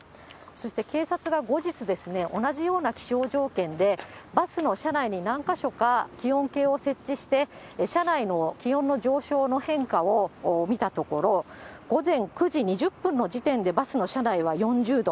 そして警察が後日、同じような気象条件で、バスの車内に何か所か気温計を設置して、車内の気温の上昇の変化を見たところ、午前９時２０分の時点で、バスの車内は４０度。